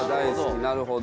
なるほど。